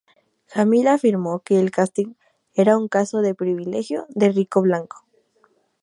Jamil afirmó que el casting era un caso de "privilegio de rico blanco".